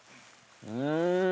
うん！